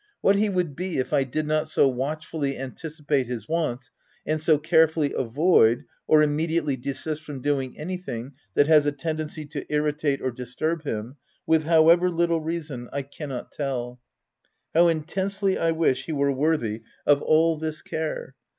What he would be, if I did not so watchfully anticipate his w 7 ants, and so care fully avoid, or immediately desist from doing anything that has a tendency to irritate or dis turb him, with] however little reason, I cannot tell, How intensely I wish he were worthy of all 118 THE TENANT this care